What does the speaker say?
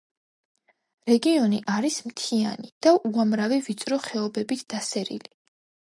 რეგიონი არის მთიანი და უამრავი ვიწრო ხეობებით დასერილი.